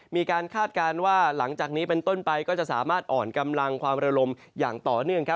คาดการณ์ว่าหลังจากนี้เป็นต้นไปก็จะสามารถอ่อนกำลังความระลมอย่างต่อเนื่อง